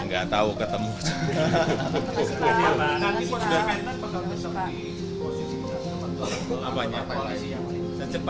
nggak tahu ketemu